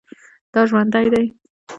دا ژوندی دی